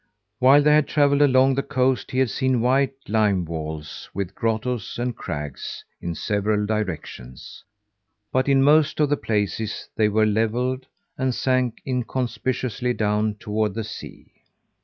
While they had travelled along the coast, he had seen white lime walls with grottoes and crags, in several directions; but in most of the places they were levelled, and sank inconspicuously down toward the sea.